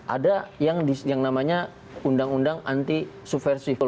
ada yang namanya undang undang anti subversif